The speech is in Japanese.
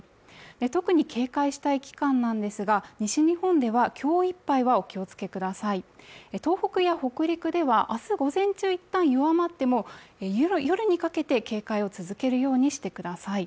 特に警戒したい期間なんですが西日本ではきょういっぱいはお気をつけください東北や北陸ではあす午前中いったん弱まっても夜にかけて警戒を続けるようにしてください